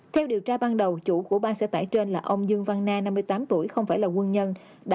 theo điều tra ban đầu chủ của ba xe tải trên là ông dương văn na năm mươi tám tuổi không phải là quân nhân